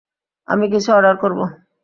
আমি কিছু অর্ডার করব।